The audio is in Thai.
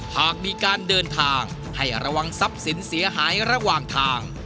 หากมีการเดินทางให้ระวังทรัพย์สินเสียหายระหว่างทาง